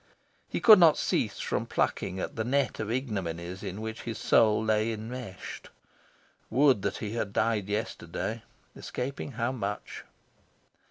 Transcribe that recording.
He could not cease from plucking at the net of ignominies in which his soul lay enmeshed. Would that he had died yesterday, escaping how much!